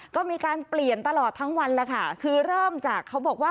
ก็มีการเปลี่ยนตลอดทั้งวันแล้วค่ะคือเริ่มจากเขาบอกว่า